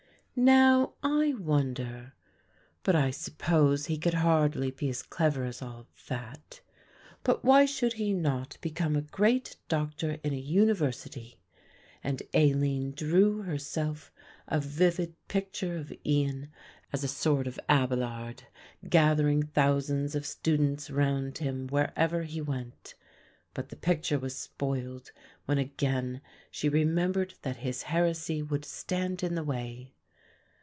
"Now I wonder, but I suppose he could hardly be as clever as all that; but why should he not become a great doctor in a university?" and Aline drew herself a vivid picture of Ian as a sort of Abelard gathering thousands of students round him wherever he went. But the picture was spoiled when again she remembered that his heresy would stand in the way.